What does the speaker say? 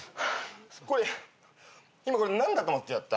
これ今これ何だと思ってやった？